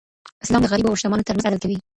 اسلام د غریبو او شتمنو ترمنځ عدل کوي.